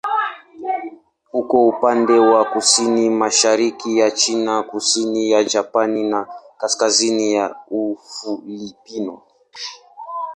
Iko upande wa kusini-mashariki ya China, kusini ya Japani na kaskazini ya Ufilipino.